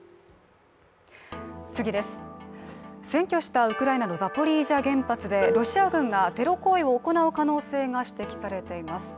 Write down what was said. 占拠したウクライナのザポリージャ原発でロシア軍がテロ行為を行う可能性が指摘されています。